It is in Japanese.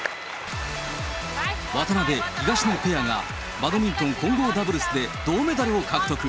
渡辺・東野ペアが、バドミントン混合ダブルスで銅メダルを獲得。